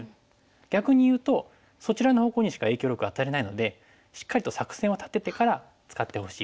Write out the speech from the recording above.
逆にいうとそちらの方向にしか影響力を与えないのでしっかりと作戦をたててから使ってほしい